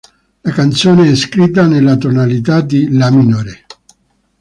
La canzone è scritta nella tonalità di La minore.